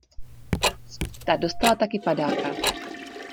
Ta dostala taky padáka.